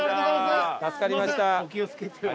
助かりました。